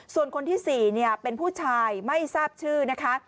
ส่วนคนที่๔เป็นผู้ชายไม่ทราบชื่อนะคะ